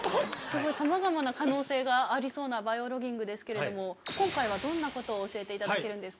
さまざまな可能性がありそうなバイオロギングですけれども今回はどんなことを教えていただけるんですか？